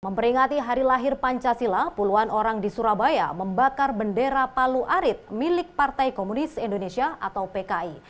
memperingati hari lahir pancasila puluhan orang di surabaya membakar bendera palu arit milik partai komunis indonesia atau pki